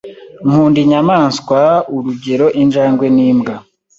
Nkunda inyamaswa, urugero, injangwe n'imbwa.